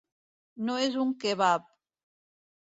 No és un kebab.